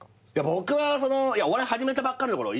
僕はお笑い始めたばっかりのころ